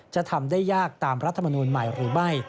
จะทำได้ยากตามรัฐมนูลใหม่หรือไม่